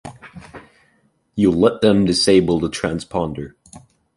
You let them disable the transponder.